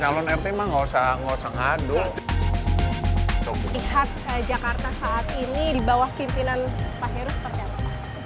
lihat jakarta saat ini di bawah pimpinan pak heru seperti apa